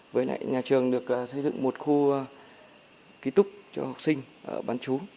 với lại nhà trường được xây dựng một khu ký túc cho học sinh bán chú